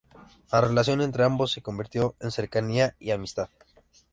La relación entre ambos se convirtió en cercanía y amistad.